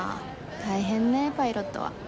大変ねパイロットは。